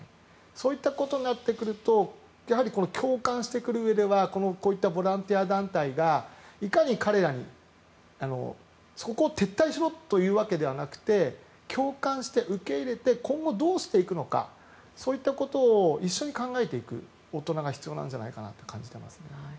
そういったことになってくると共感してくるうえではこういったボランティア団体がいかに彼らにそこを撤退しろというわけではなくて共感して、受け入れて今後どうしていくのかそういったことを一緒に考えていく大人が必要だと思います。